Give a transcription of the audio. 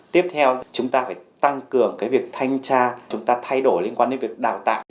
tiếp theo chúng ta phải tăng cường việc thanh tra chúng ta thay đổi liên quan đến việc đào tạo